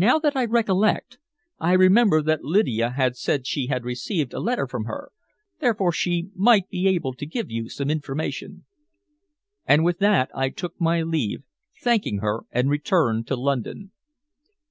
Now that I recollect, I remember that Lydia had said she had received a letter from her, therefore she might be able to give you some information." And with that I took my leave, thanking her, and returned to London.